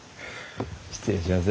失礼します。